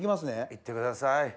行ってください。